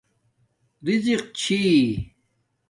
رزق چھی